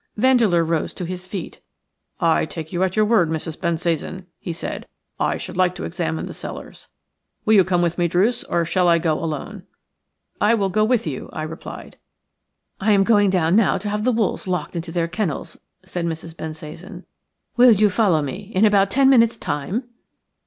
Vandeleur rose to his feet. "I take you at your word, Mrs. Bensasan," he said. "I should like to examine the cellars. Will you come with me, Druce, or shall I go alone?" "I will go with you," I replied. "I am going down now to have the wolves locked into their kennels," said Mrs. Bensasan. "Will you follow me in about ten minutes' time?"